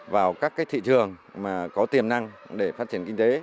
vào các thị trường mà có tiềm năng để phát triển kinh tế